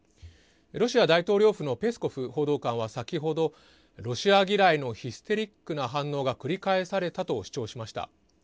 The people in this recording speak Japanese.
ロシア大統領府のペスコフ報道官は先ほどロシア嫌いのヒステリックな反応が繰り返されたと主張しました。